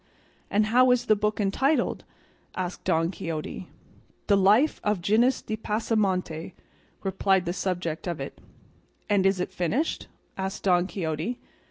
"And how is the book entitled?" asked Don Quixote. "The 'Life of Gines de Pasamonte,'" replied the subject of it. "And is it finished?" asked Don Quixote.